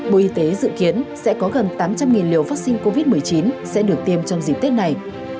bộ y tế dự kiến sẽ có gần tám trăm linh liều vaccine covid một mươi chín sẽ được tiêm trong dịp tết này